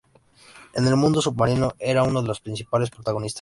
El mundo submarino era uno de los principales protagonistas.